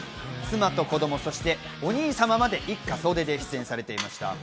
妻と子供、そしてお兄様まで、一家総出で出演されていました。